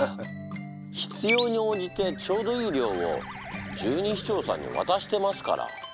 必要に応じてちょうどいい量を十二指腸さんにわたしてますから！